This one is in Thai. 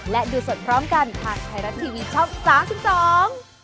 และดูสดพร้อมกันหากไทยรัฐทีวีช่อง๓๒